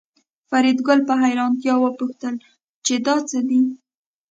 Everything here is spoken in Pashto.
فریدګل په حیرانتیا وپوښتل چې دا څه دي